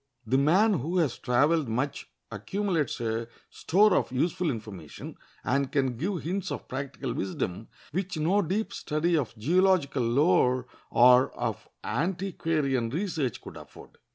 The man who has traveled much accumulates a store of useful information, and can give hints of practical wisdom which no deep study of geological lore or of antiquarian research could afford.